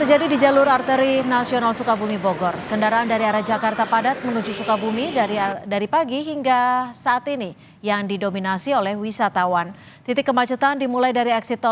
ada lebih dari sembilan puluh dua penumpang yang tiba di bandara